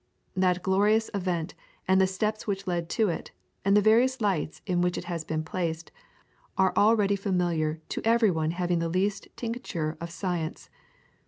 That glorious event and the steps which led to it, and the various lights in which it has been placed, are already familiar to every one having the least tincture of science.